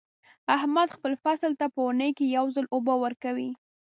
احمد خپل فصل ته په اونۍ کې یو ځل اوبه ورکوي.